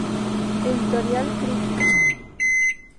Editorial Crítica.